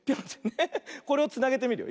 これをつなげてみるよ。